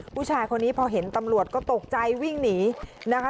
ผู้ชายคนนี้พอเห็นตำรวจก็ตกใจวิ่งหนีนะคะ